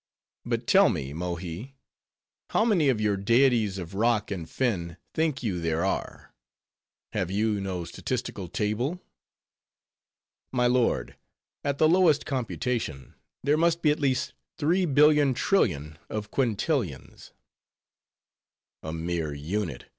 But tell me, Mohi, how many of your deities of rock and fen think you there are? Have you no statistical table?" "My lord, at the lowest computation, there must be at least three billion trillion of quintillions." "A mere unit!"